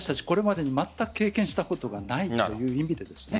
これまでまったく経験したことがないという意味で。